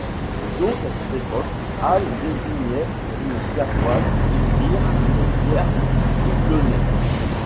Donc à cette époque, ale désignait une cervoise et beer une bière houblonnée.